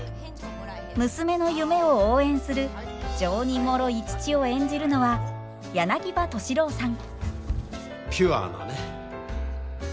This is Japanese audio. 娘の夢を応援する情にもろい父を演じるのは柳葉敏郎さん。